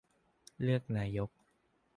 -เลือกนายก